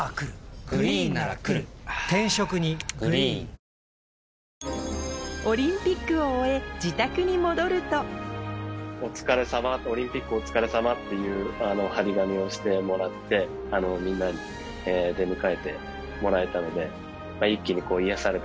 坂井が「オリンピックおつかれさま」っていう張り紙をしてもらってみんなに出迎えてもらえたので一気に。